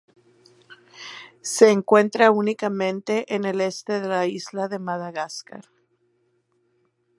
Se encuentra únicamente en el este de la isla de Madagascar.